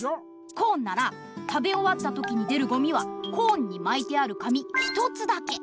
コーンなら食べおわったときに出るゴミはコーンにまいてある紙１つだけ。